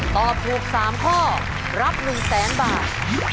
ตอบถูก๓ข้อรับ๑๐๐๐๐บาท